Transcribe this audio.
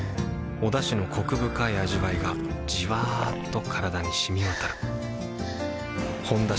おだしのコク深い味わいがじわっと体に染み渡るはぁ。